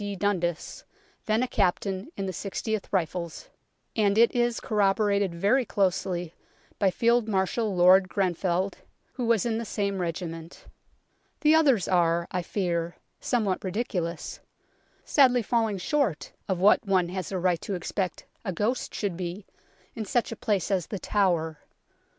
D. Dundas, then a captain in the 6oth Rifles, and it is corroborated very closely by Field Marshal Lord Grenfell, who was in the same regiment. The others are, I fear, somewhat ridiculous ; sadly falling short of what one has a right to expect a ghost should be in such a place as The Tower.